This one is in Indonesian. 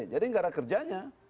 jadi tidak ada kerjanya